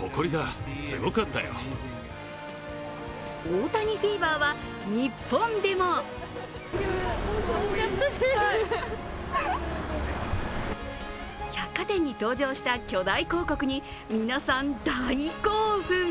大谷フィーバーは日本でも百貨店に登場した巨大広告に皆さん、大興奮。